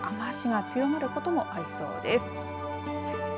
そして雨足が強まることもありそうです。